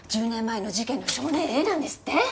１０年前の事件の少年Ａなんですって？